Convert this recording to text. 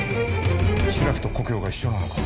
白木と故郷が一緒なのか。